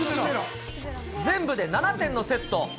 全部で７点のセット。